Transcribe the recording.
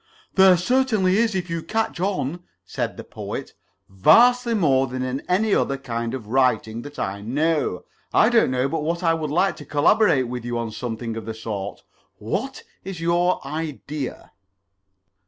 "There certainly is if you catch on," said the Poet. "Vastly more than in any other kind of writing that I know. I don't know but that I would like to collaborate with you on something of the sort. What is your idea?"